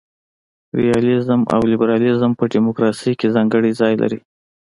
ریالیزم او لیبرالیزم په دموکراسي کي ځانګړی ځای لري.